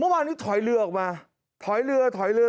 เออเมื่อนี่ท้อยเรือออกมาท้อยเรือท้อยเรือ